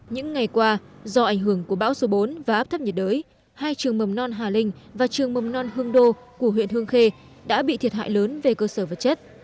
những ngày qua do ảnh hưởng của bão số bốn và áp thấp nhiệt đới hai trường mầm non hà linh và trường mầm non hương đô của huyện hương khê đã bị thiệt hại lớn về cơ sở vật chất